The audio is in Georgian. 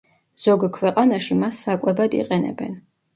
ზოგ ქვეყანაში მას საკვებად იყენებენ.